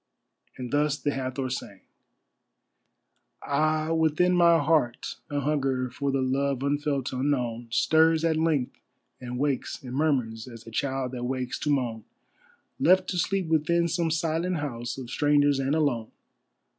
And thus the Hathor sang: Ah, within my heart a hunger for the love unfelt, unknown, Stirs at length, and wakes and murmurs as a child that wakes to moan, Left to sleep within some silent house of strangers and alone.